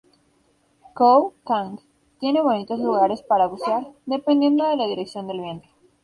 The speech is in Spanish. Ko Kham tiene bonitos lugares para bucear, dependiendo de la dirección del viento.